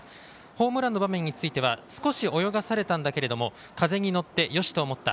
ホームランの場面については少し泳がされたんだけれども風に乗ってよしと思った。